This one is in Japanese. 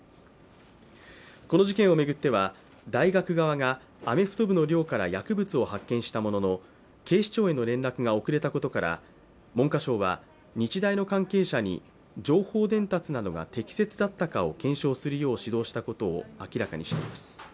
この事件を巡っては、大学側がアメフト部の寮から薬物を発見したものの警視庁への連絡が遅れたことから文科省は日大の関係者に情報伝達などが適切だったかなどを検証するよう指導したことを明らかにしています。